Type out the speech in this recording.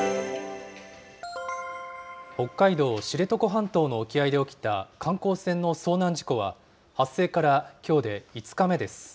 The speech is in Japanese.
北海道知床半島の沖合で起きた観光船の遭難事故は、発生からきょうで５日目です。